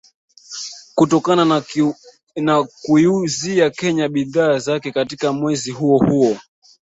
kutokana na kuiuzia Kenya bidhaa zake katika mwezi huo huo